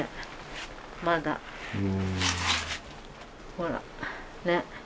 ほらねっ。